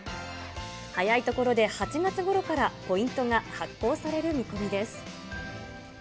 早い所で８月ごろからポイントが発行される見込みです。